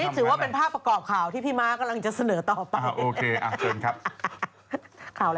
ก็เป็นเรื่องที่ไม่น่าเชื่อว่าคนไทย๘๘นี่นะคะมีเงินในบัญชีไม่ถึงห้าหมื่นบาท